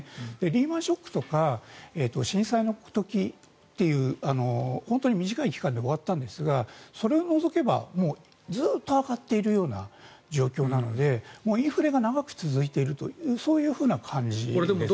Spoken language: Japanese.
リーマン・ショックとか震災の時っていう本当に短い期間で終わったんですがそれを除けばずっと上がっているような状況なのでインフレが長く続いているというそういう感じですね。